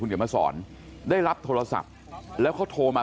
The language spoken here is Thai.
เดี๋ยวมาสอนได้รับโทรศัพท์แล้วเขาโทรมา